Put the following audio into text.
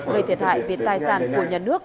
gây thiệt hại về tài sản của nhà nước